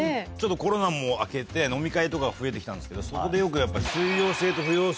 コロナも明けて飲み会とかが増えてきたんですけどそこでよくやっぱり。